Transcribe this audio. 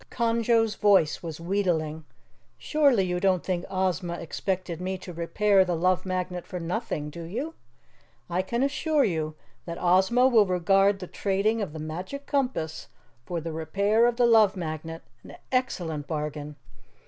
Conjo's voice was wheedling. "Surely you don't think Ozma expected me to repair the Love Magnet for nothing, do you? I can assure you that Ozma will regard the trading of the Magic Compass for the repair of the Love Magnet an excellent bargain.